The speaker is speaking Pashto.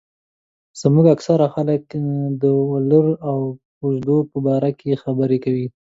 زموږ اکثره خلک چې د ولور او کوژدو په باره کې خبره کوي.